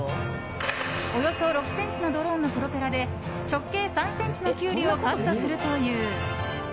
およそ６ｃｍのドローンのプロペラで直径３ｃｍのキュウリをカットするという。